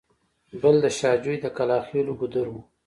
بل د شاه جوی د کلاخېلو ګودر و.